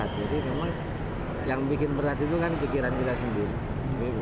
jadi memang yang bikin berat itu kan pikiran kita sendiri